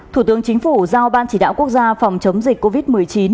thủ tướng chính phủ giao ban chỉ đạo quốc gia phòng chống dịch covid một mươi chín